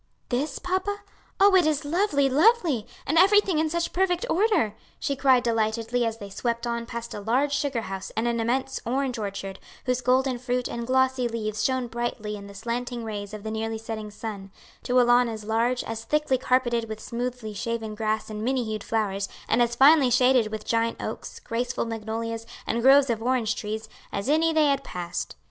"This, papa? Oh it is lovely, lovely! and everything in such perfect order," she cried delightedly as they swept on past a large sugar house and an immense orange orchard, whose golden fruit and glossy leaves shone brightly in the slanting rays of the nearly setting sun, to a lawn as large, as thickly carpeted with smoothly shaven grass and many hued flowers, and as finely shaded with giant oaks, graceful magnolias, and groves of orange trees, as any they had passed.